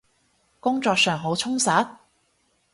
工作上好充實？